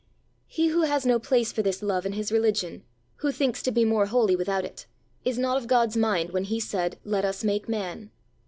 He who has no place for this love in his religion, who thinks to be more holy without it, is not of God's mind when he said, "Let us make man!"